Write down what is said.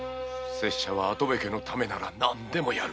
せっしゃは跡部家のためなら何でもやる。